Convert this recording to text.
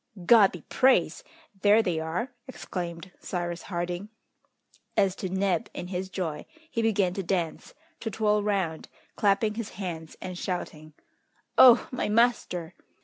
"God be praised! there they are!" exclaimed Cyrus Harding. As to Neb in his joy, he began to dance, to twirl round, clapping his hands and shouting, "Oh! my master!"